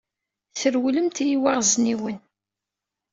Trewlemt i yiweɣezniwen.